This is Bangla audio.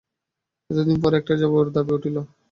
এতদিন পরে একটা জবাবের দাবি উঠিল।